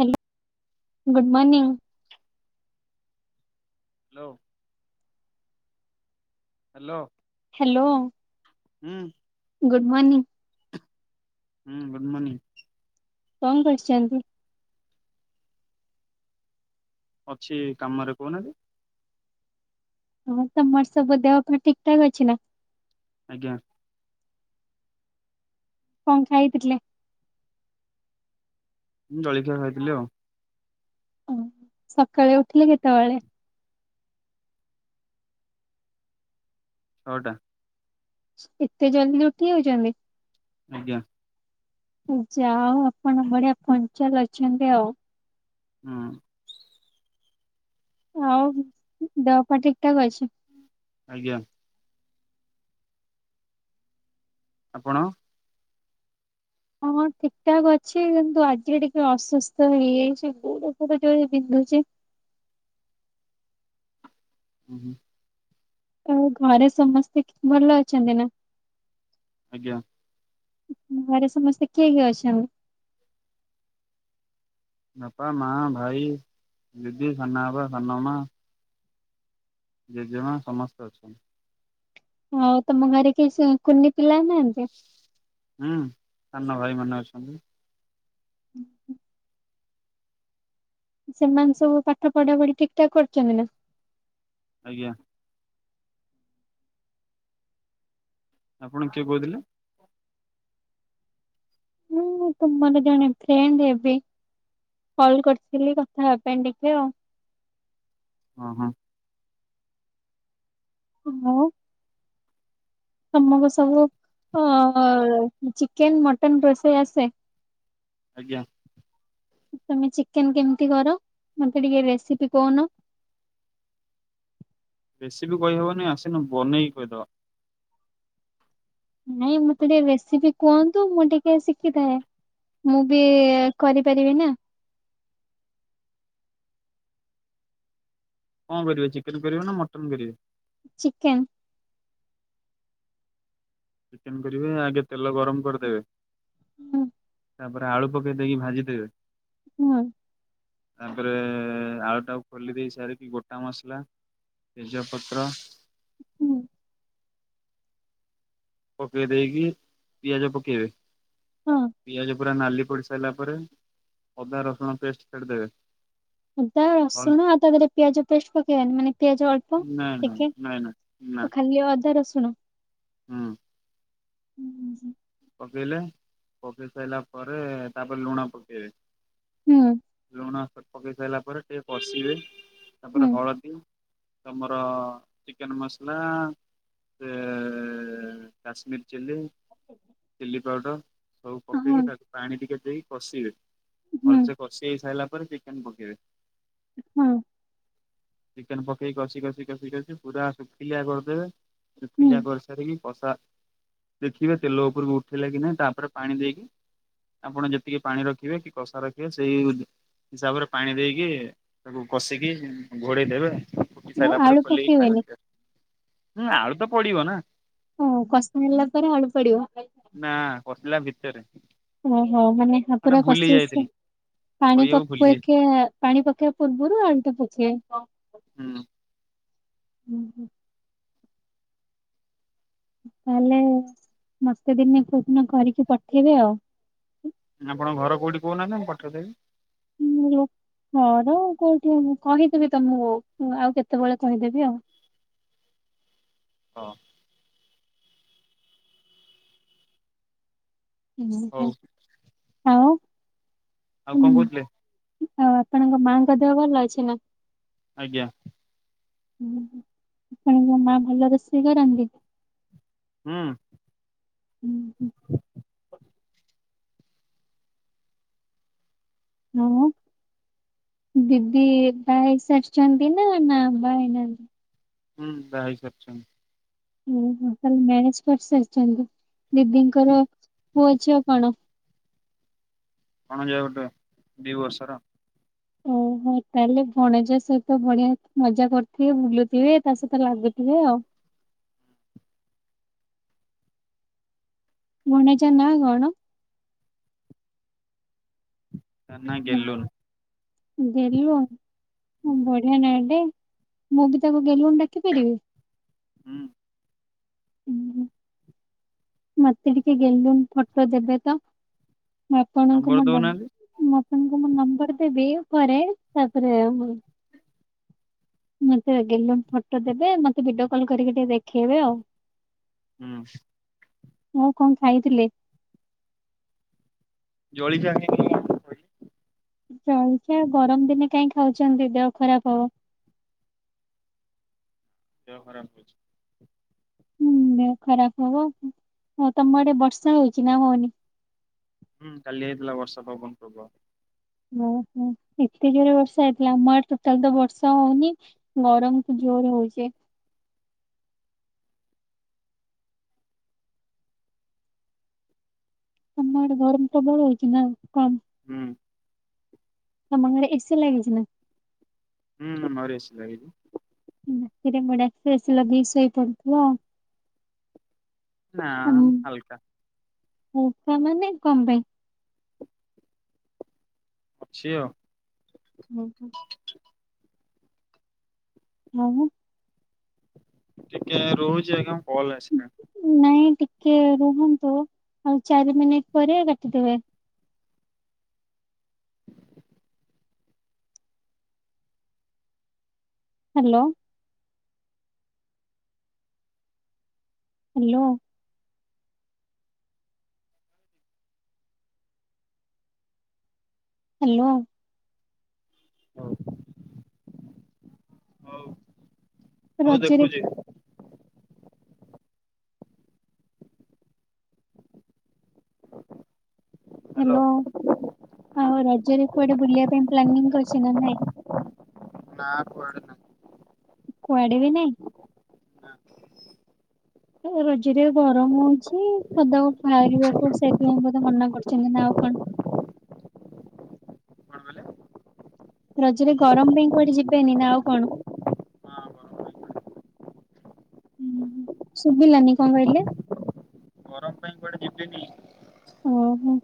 Hello good morning. Hello. Hello. Hello. ହୁଁ। Good morning. ହୁଁ good morning. କଣ କରୁଚନ୍ତି? ଅଛି କାମରେ କଉନାଆନ୍ତି। ହଁ ତମର ସବୁ ଦେହ ପା ଠିକ୍ ଠାକ୍ ଅଛି ନାଁ? ଆଜ୍ଞା। କଣ ଖାଇଥିଲେ? ମୁଁ ଜଳିଖିଆ ଖାଇଥିଲି ଆଉ। ଓ ସଖାଳେ ଉଠିଲେ କେତେବେଳେ? ଛଅଟା। ଏତେ ଜଲଦି ଉଠି ଯାଉଚନ୍ତି? ଆଜ୍ଞା। ଯା ହଉ ଆପଣ ବଢିଆ ପଞ୍ଚାଲ୍ ଅଛନ୍ତି ଆଉ। ହଁ। ଆଉ ଦେହ ପା ଠିକ୍ ଠାକ୍ ଅଛି? ଆଜ୍ଞା। ଆପଣ? ହଁ ଠିକ୍ ଠାକ୍ ଅଛି କିନ୍ତୁ ଆଜିରେ ଟିକେ ଅସୁସ୍ଥ ହେଇଯାଇଚି ଗୋଡ ପୁରା ଜୋରେ ବିନ୍ଧୁଚି। ଉଁ ହୁଁ। ଆ ଘରେ ସମସ୍ତେ ଠି ଭଲ ଅଛନ୍ତି ନା? ଆଜ୍ଞା। ଘରେ ସମସ୍ତେ କିଏ କିଏ ଅଛନ୍ତି? ବାପା, ମା, ଭାଇ, ଦିଦି, ସାନବାପା ସାନମା ଜେଜେମା ସମସ୍ତେ ଅଛନ୍ତି। ହଉ ତମ ଘରେ କେହି ସେ କୁନି ପିଲା ନାହାନ୍ତି? ହୁଁ ସାନ ଭାଇ ମାନେ ଅଛନ୍ତି। ଉଁ ହୁଁ। ସେମାନେ ସବୁ ପାଠ ପଢା ପଢି ଠିକ୍ ଠାକ୍ କରୁଚନ୍ତି ନା? ଆଜ୍ଞା। ଆପଣ କିଏ କୋଉଥିଲେ? ମୁଁ ତୁମର ଜଣେ ଫ୍ରେଣ୍ଡ୍ ହେବି। କଲ୍ କରିଥିଲି କଥା ହେବା ପାଇଁ ଟିକେ ଆଉ। ହଁ ହଁ। [unintelligible] ତମକୁ ସବୁ ଅ ଚିକେନ୍ ମଟନ୍ ରୋଷେଇ ଆସେ? ଆଜ୍ଞା। ତମେ ଚିକେନ୍ କେମିତି କର ମତେ ଟିକେ ରେସିପି କହୁନ। ରେସିପି କହିହେବନି ଆସିନେ ବନେଇକି କହିଦବ। ନାଇଁ ମତେ ଟିକେ ରେସିପି କୁହନ୍ତୁ ମୁଁ ଟିକେ ଶିକିଥାଏଁ। ମୁଁ ବି କରିପାରିବି ନାଁ। କଣ କରିବେ ଚିକେନ୍ କରିବେ ନା ମଟନ୍ କରିବେ? ଚିକେନ୍ ଚିକେନ କରିବେ ଆଗେ ତେଲ ଗରମ କରିଦେବେ ହୁଁ ତାପରେ ଆଳୁ ପକେଇ ଦେଇକି ଭାଜିଦେବେ ହଁ ତାପରେ ଆଳୁ ଟାକୁ ଖୋଲି ଦେଇ ସାରିକି ଗୋଟା ମସଲା ତେଜପତ୍ର ହୁଁ ପକେଇ ଦେଇକି ପିଆଜ ପକେଇବେ ହଁ ପିଆଜ ପୁରା ନାଲି ପଡି ସାରିଲା ପରେ ଅଦା ରସୁଣ ପେଷ୍ଟ ଛାଡ଼ିଦେବେ ଅଦା ରସୁଣ ଆଉ ତା ଦେହରେ ପିଆଜ ପେଷ୍ଟ ପକେଇବାନି ମାନେ ପିଆଜ ଅଳ୍ପ ନାଇଁ ନାଇଁ ଟିକେ ନାଇଁ ନାଇଁ ନା ଓ ଖାଲି ଅଦା ରସୁଣ? ହୁଁ [inaudible] ପକେଇଲେ ପକେଇ ସାଇଲା ପରେ ତାପରେ ଲୁଣ ପକେଇବେ ହୁଁ ଲୁଣ ପକେଇ ସଇଲା ପରେ ଟିକେ କଷିବେ ହୁଁ ତାପରେ ହଳଦୀ ତମର ଚିକେନ ମସଲା ସେ କାଶ୍ମୀର ଚିଲ୍ଲି ଚିଲ୍ଲି ପାଉଡ଼ର ସବୁ ହଁ ପକେଇକି ତାକୁ ପାଣି ଟିକେ ଦେଇକ କଷିବେ ହୁଁ ଭଲସେ କଷି ହେଇସାରିଲା ପରେ ଚିକେନ ପକେଇବେ। ହୁଁ ଚିକେନ ପକେଇ କଷି କଷି କଷି କଷି ପୁରା ଶୁଖିଲିଆ କରିଦେବେ ହୁଁ ଶୁଖିଲିଆ କରିସାରିକି କଷା ଦେଖିବେ ତେଲ ଉପର କୁ ଉଠଲା କି ନାଁହିଁ ତାପରେ ପାଣି ଦେଇକି ଆପଣ ଯେତିକି ପାଣି ରଖିବେ କି କଷା ରଖିବେ ସେଇ ୟୁଜ ହିସାବରେ ପାଣି ଦେଇକି ତାକୁ କଷିକି ଘୋଡେଇ ଦେବେ। ଫୁଟି ଆଉ ସାଇଲା ଆଳୁ ପରେ ଖୋଲିକି ପକେଇବେନି ଖାଇବେ ଟେଷ୍ଟ ଆଳୁ ତ ପଡିବ ନାଁ। ହଁ କଷା ହେଲା ପରେ ଆଳୁ ପଡିବ ନାଁ କଷିଲା ଭିତରେ। ଓହୋ ମାନେ ଏଟା ପୁରା ଭୁଲି କଷି ଆସେ ଯାଇଥିଲି ପାଣି କହିବାକୁ ଭୁଲି ଯାଇଥିଲି। [unintelligible] ପାଣି ପକେଇବା ପୂର୍ବରୁ ଆଳୁ ଟା ପୋଛିବେ ହଁ ହୁଁ [inaudible] ତାହେଲେ ମତେ ଦିନେ କୋଉ ଦିନ କରିକି ପଠେଇବେ ଆଉ ଆପଣଙ୍କ ଘର କଉଠି କହୁନାହାଁନ୍ତି ମୁଁ ପଠେଇ ଦେବି। ହେଇଲୋ ଘର କୋଉଠି ଆଉ କହିଦେବି ତମକୁ ଆଉ କେତେବେଳେ କହିଦେବି ଆଉ ହଁ ହଉ ଓହୋଃ! ଆଉ, ଆଉ କଣ? କହୁଥିଲେ ଆଉ ଆପଣଙ୍କ ମାଙ୍କ ଦେହ ଭଲ ଅଛି ନାଁ? ଆଜ୍ଞା ଉଁହୁ ଆପଣ ଙ୍କ ମା ଭଲ ରୋଷେଇ କରନ୍ତି? ହୁଁ ହୁଁ ହୁଁ। ଆଉ ଦିଦି ଏକା ହେଇସାରିଚନ୍ତି ନାଁ, ନାଁ ବାହା ହେଇନାହାନ୍ତି? ହୁଁ ବାହା ହେଇ ସାରଚନ୍ତି। ଉଁ ହୁ ତାଲେ ମ୍ୟାରେଜ୍ କରିସାରିଛନ୍ତି, ଦିଦିଙ୍କ ର ହୁଁ ପୁଅ ଝିଅ କଣ? ଭଣଜା ଗୋଟେ ଦି ବର୍ଷର। ଓହୋ। ହଁ ତାହେଲେ ଭଣଜା ସହିତ ବଢିଆ ମଜା କରୁଥିବେ ବୁଲୁଥିବେ ତା ସହିତ ଲାଗୁଥିବେ ଆଉ। ଭଣଜା ନାଁ କଣ? ତା ନାଁ ଗେଲୁନ। ଗେଲୁ ବଢିଆ ନା ଟେ, ମୁଁ ବି ତାକୁ ଗେଲୁନ୍ ଡାକି ପାରିବି? ହୁଁ। ହୁଁ। ମତେ ଟିକେ ଗେଲୁନ୍ ଫଟୋ ଦେବେ ତ ମୁଁ ଆପଣଙ୍କୁ ନମ୍ବର ମୋ ନ ଦଉନାହାନ୍ତି ମୁଁ ଆପଣଙ୍କୁ ମୋ ନମ୍ବର ଦେବି ପରେ ତାପରେ ମତେ ଗେଲୁନ୍ ଫଟୋ ଦେବେ ମତେ ଭିଡିଓ କଲ୍ କରିକି ଟିକେ ଦେଖେଇବେ ଆଉ। ହୁଁ। ଆଉ କଣ ଖାଇଥିଲେ? ଜଲିଖିଆ ଖାଇଥିଲି [inaudible] ଜଳିଖିଆ ଗରମ୍ ଦିନେ କାହିଁ ଖାଉଚନ୍ତି ଦେହ ଖରାପ ହବ। ଦେହ ଖରାପ ଅଛି। ହୁଁ ଦେହ ଖରାପ ହବ, ହଁ ତମ ଆଡେ ବର୍ଷା ହଉଚି ନା ହଉନି? ହୁଁ କାଲି ହେଇଥିଲା ବର୍ଷା ପବନ ପ୍ରବଳ। ଓହୋ ଏତେ ଜୋରେ ବର୍ଷା ହେଇଥିଲା ଆମ ଆଡେ ଟୋଟାଲ୍ ତ ବର୍ଷା ହଉନି। ଗରମକୁ ଜୋରରେ ହଉଚି। ତମ ଆଡେ ଗରମ ପ୍ରବଳ ହଉଚି ନା କମ୍? ହୁଁ। ତମ ଗାଁରେ ଏ ସି ଲାଗିଚି ନା? ହୁଁ ଆମ ଘରେ ଏ ସି ଲାଗିଚି। ରାତିରେ ମୁଡାସ ଏ ସି ଲଗେଇ ଶୋଇ ପଡୁଥିବ ଆଉ ନା ହାଲକା ଉଷା ମାନେ କମ ପାଇଁ ଅଛି ଆଉ ହୁଁ ହୁଁ ହଁ ହଁ ଟିକେ ରହୁଛି ଆଜ୍ଞା ମୁଁ କଲ୍ ଆସିଲାଣି ନାଇଁ ଟିକେ ରୁହନ୍ତୁ ଆଉ ଚାରି ମିନିଟ ପରେ କାଟିଦେବେ [inaudible] ହ୍ୟାଲୋ ହ୍ୟାଲୋ ହ୍ୟାଲୋ ହଉ ହଉ ହଉ ରଜରେ ଦେଖୁଚି ହ୍ୟାଲୋ ହୁଁ ଆଉ ରଜରେ କୁଆଡେ ବୁଲିବା ପାଇଁ ପ୍ଲାନିଂ କରିଚି ନା ନାଇଁ? ନାଁ କୁଆଡେ ନାଇଁ କୁଆଡେ ବି ନାଇଁ? ନା ରଜରେ ଗରମ ହଉଚି ପଦାକୁ ବାହାରିବାକୁ ସେଇଥିପାଇଁ ବୋଧେ ମନା କରୁଚନ୍ତି ନା ଆଉ କଣ? କଣ କଇଲେ? ରଜରେ ଗରମ ପାଇଁ କୁଆଡେ ଯିବେନି ନା ଆଉ କଣ? ଗରମ ପାଇଁ ହୁଁ ଶୁଭିଲାନି କଣ କହିଲେ? ଗରମ ପାଇଁ କୁଆଡେ ଯିବିନି? ଓହୋ।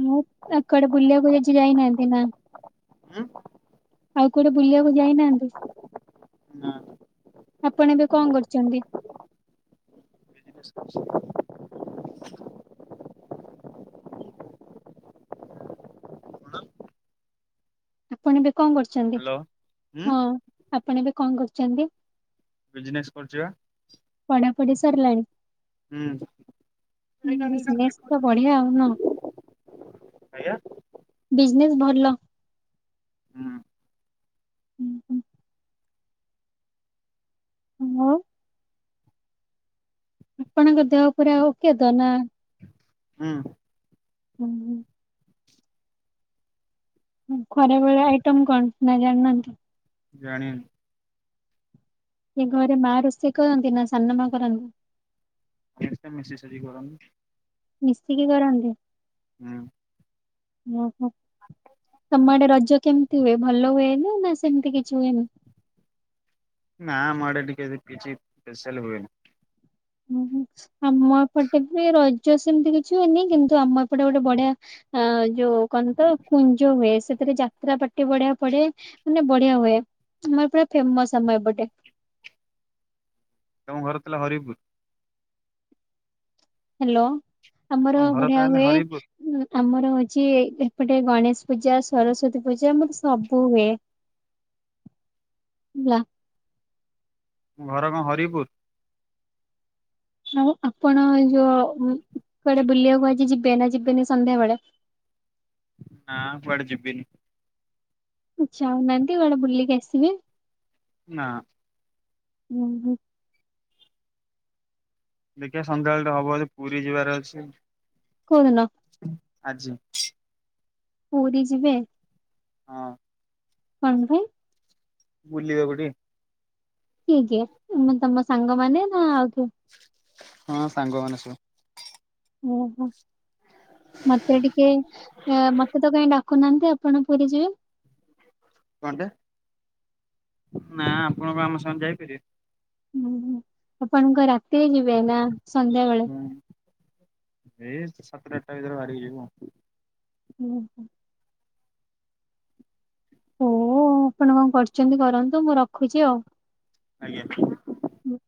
ମୁଁ ତାଙ୍କ ଆଡେ ବୁଲିବାକୁୁ [unintelligible] ଯାଇନାହାନ୍ତି ନା? ହୁଁ। ଆଉ କୁଆଡେ ବୁଲିବାକୁ ଯାଇନାହାନ୍ତି ନା ଆପଣ ଏବେ କଣ କରୁଛନ୍ତି? ଛି କଣ ଆପଣ ଏବେ କଣ କରୁଛନ୍ତି ହ୍ୟାଲୋ ହୁଁ ହଁ ଆପଣ ଏବେ କଣ କରୁଛନ୍ତି? ବିଜନେସ୍ କରୁଛି ପା। ପଢାପଢ଼ି ସରିଲାଣି। ହୁଁ ବିଯିନେସ ତ ଆଜ୍ଞା ବଢିଆ ଆଉ ନା ଆଜ୍ଞା। ବିଜନେସ୍ ଭଲ। ହୁଁ ହୁଁ ହୁଁ। ହୁଁ। ଆପଣଙ୍କ ଦେହ ପୁରା ଉକେତ ନା? ହୁଁ। ହୁଁ ହୁଁ। ଖରା ଭଳିଆ ଆଇଟମ କଣ ନା ଜାଣିନାହାନ୍ତି? ଜାଣିନି? ଏଘରେ ମା ରୋଷେଇ କରନ୍ତି ନା ସାନ ମା ରୋଷେଇ କରନ୍ତି। [inaudible] ମିଶିକି କରନ୍ତି। ହୁଁ। ଓ ହୋ। ତମ ଆଡେ ରଜ କେମିତି ହୁଏ ଭଲ ହୁଏନି ନା ସେମିତି କିଛି ହୁଏନି? ନା ଆମ ଆଡେ ଟିକେ କିଛି ସ୍ପେସାଲ୍ ହୁଏନି। ଓହୋ ଆମ ଏପଟେ ବି ରଜ ସେମିତି କିଛି ହୁଏନି କିନ୍ତୁ ଆମ ଏପଟେ ଗୋଟେ ବଢିଆ ଅ ଯୋଉ କଣ ତ କୁଞ୍ଜ ହୁଏ ସେଥିରେ ଯାତ୍ରା ପାଟି ବଢିଆ ପଡେ। ମାନେ ବଢିଆ ହୁଏ ଆମର ପୁରା ଫେମସ ଆମର ଏପଟେ। ତମ ଘର ଥିଲା ହରିପୁର। ହ୍ୟାଲୋ ଆମର ତମ ଘର ବଢିଆ ତାହେଲେ ହୁଏ। ହରିପୁର ହଁ ଆମର ହଉଛି ଏପଟେ ଗଣେଶ ପୂଜା, ସରସ୍ଵତୀ ପୂଜା, ଆମର ସବୁ ହୁଏ। ଲା। ଘର କଣ ହରିପୁର? ଆଉ ଆପଣ ଯୋଉ କୁଆଡେ ବୁଲିବାକୁ ଆଜି ଯିବେ ନା ଯିବେନି ସନ୍ଧ୍ୟା ବେଳେ? ନା କୁଆଡେ ଯିବିିନି। ଯାଉନାହାନ୍ତି କୁଆଡେ ବୁଲିକି ଆସିବେ। ନା। ହୁଁ ହୁଁ। ଦେଖିବା ସନ୍ଧ୍ୟାବେଳେ ହବ ପୁରୀ ଯିବାର ଅଛି। କୋଉଦିନ? ଆଜି। ପୁରୀ ଯିବେ। ହଁ। [unintelligible] ବୁଲିବାକୁ ଟିକେ। କିଏ କିଏ ମାନେ ତମ ସାଙ୍ଗମାନେ ନା ଆଉ କିଏ? ହଁ ସାଙ୍ଗ ମାନେ ସବୁ। ଓହୋ ମତେ ଟିକେ ମତେତ କାଇଁ ଡାକୁନାହାନ୍ତି ଆଉ। କଣ ପୁରୀ ଯିବେ। କଁଟେ ନା ଆପଣ କଣ ଆମ ସାଙ୍ଗରେ ଯାଇପାରିବେ। ହୁଁ ଆପଣଙ୍କ ରାତିରେ ଯିବେ ନାଁ ସନ୍ଧ୍ୟା ବେଳେ। ହୁଁ ଏଇ ସାତଟା ଆଠଟା ଭିତରେ ବାହରିକି ଯିବୁ। ହୁଁ ହୁଁ। ହୋଉ ଆପଣ କଣ କରୁଚନ୍ତି କରନ୍ତୁ ମୁଁ ରଖୁଚି ଆଉ। ଆଜ୍ଞା। ହୁଁ।